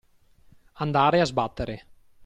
Andare a sbattere.